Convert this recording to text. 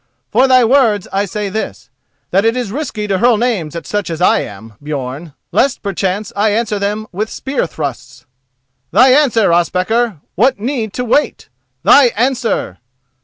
"For thy words, I say this: that it is risky to hurl names at such as I am, Björn, lest perchance I answer them with spear thrusts. Thy answer, Ospakar! What need to wait? Thy answer!"